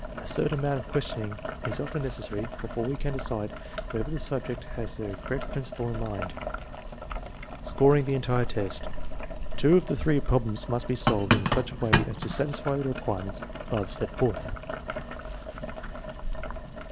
A certain amount of questioning is often necessary before we can decide whether the subject has the correct principle in mind. Scoring the entire test. Two of the three problems must be solved in such a way as to satisfy the requirements above set forth.